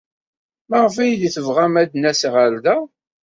Maɣef ay aɣ-tebɣamt ad d-nas ɣer da?